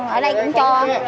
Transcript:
ở đây cũng cho